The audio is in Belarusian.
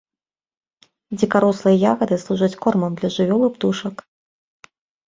Дзікарослыя ягады служаць кормам для жывёл і птушак.